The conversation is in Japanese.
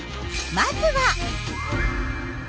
まずは。